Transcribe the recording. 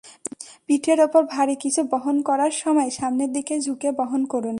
পিঠের ওপর ভারী কিছু বহন করার সময় সামনের দিকে ঝুঁকে বহন করুন।